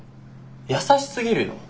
優しすぎるよ。